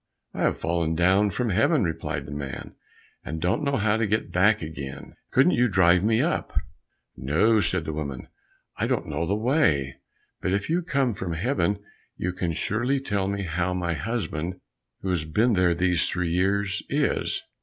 "I have fallen down from heaven," replied the man, "and don't know how to get back again, couldn't you drive me up?" "No," said the woman, "I don't know the way, but if you come from heaven you can surely tell me how my husband, who has been there these three years is.